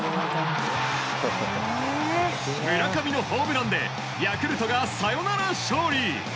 村上のホームランでヤクルトがサヨナラ勝利！